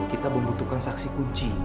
kita membutuhkan saksi kunci